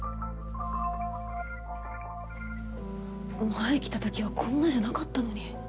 前来た時はこんなじゃなかったのに。